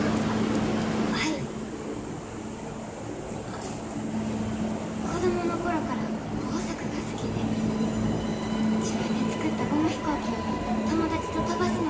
あ子供の頃から工作が好きで自分で作ったゴム飛行機を友達と飛ばすのが大好きでした。